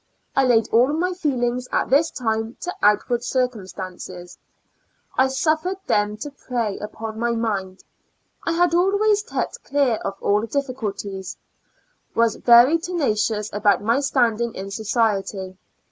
I laid all my feelings at this time to outward circumstances ; I suffered them to prey upon my mind. I had always kept clear of all difficulties ; was very tenacious about my standing in society.